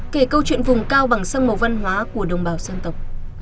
kể câu chuyện vùng cao bằng sâm màu văn hóa của đồng bào dân tộc